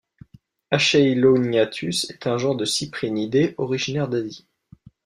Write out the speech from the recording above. Acheilognathus est un genre de cyprinidés originaire d'Asie.